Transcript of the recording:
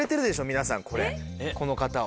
皆さんこれこの方を。